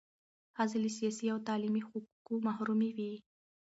ښځې له سیاسي او تعلیمي حقوقو محرومې وې.